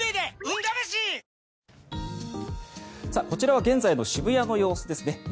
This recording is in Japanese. こちらは現在の渋谷の様子ですね。